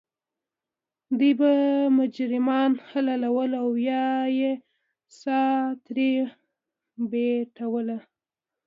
دوی به مجرمان حلالول او یا یې سا ترې بیټوله.